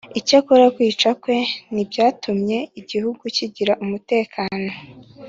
icyakora kwicwa kwe ntibyatumye igihugu kigira umutekano